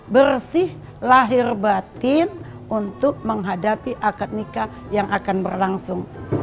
bersih lahir batin untuk menghadapi akad nikah yang akan berlangsung